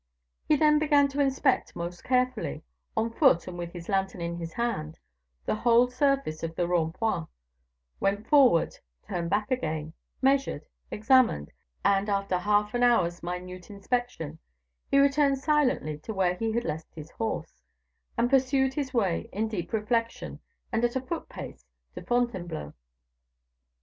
He then began to inspect most carefully, on foot and with his lantern in his hand, the whole surface of the Rond point, went forward, turned back again, measured, examined, and after half an hour's minute inspection, he returned silently to where he had left his horse, and pursued his way in deep reflection and at a foot pace to Fontainebleau.